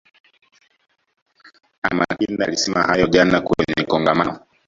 anna makinda alisema hayo jana kwenye kongamano